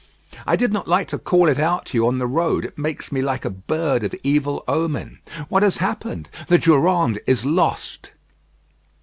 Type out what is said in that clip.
"I did not like to call it out to you on the road. It makes me like a bird of evil omen." "What has happened?" "The Durande is lost."